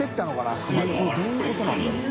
小峠）どういうことなんだろう？